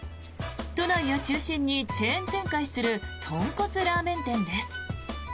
都内を中心にチェーン展開する豚骨ラーメン店です。